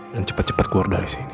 dan cepet cepet keluar dari sini